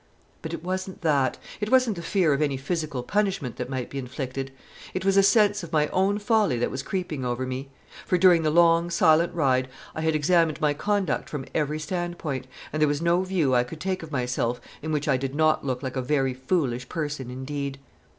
But it wasn't that. It wasn't the fear of any physical punishment that might be inflicted; it was a sense of my own folly that was creeping over me; for during the long, silent ride I had examined my conduct from every stand point, and there was no view I could take of myself in which I did not look like a very foolish person indeed.